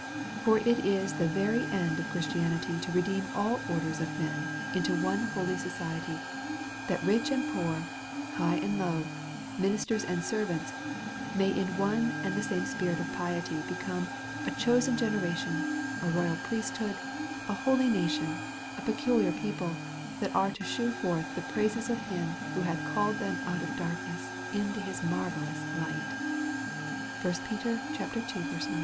For it is the very end of Christianity to redeem all orders of men into one holy society, tiiat rich and poor, liii^ii and low, masters and servants, may in one and tlie same spirit of piety be come a chosen gencralion, a roi/al priesl/wod, an holy nation, a peculiar people, that are to shew forth the praises of hi in, who hath called than out of dark ness into his inar cellous lii^ht. 1 Pet. ii. 9.